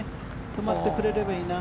止まってくれればいいな。